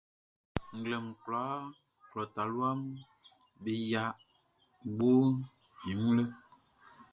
Nglɛmun kwlaaʼn, klɔ taluaʼm be yia gboʼn i wun lɛ.